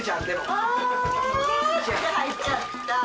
あ入っちゃった。